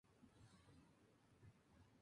Donald empezó a jugar rugby en su colegio, el St.